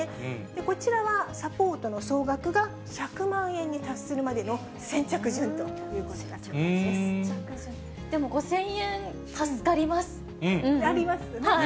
こちらは、サポートの総額が１００万円に達するまでの、でも５０００円、助かりますね。